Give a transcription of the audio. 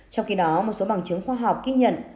trong khi đó một số bằng chứng khoa học ghi nhận